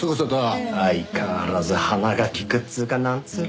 相変わらず鼻が利くっつうかなんつうか。